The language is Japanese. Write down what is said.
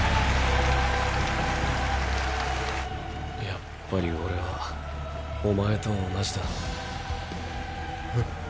やっぱりオレはお前と同じだ。え？